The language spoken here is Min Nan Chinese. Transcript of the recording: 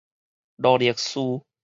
勞力士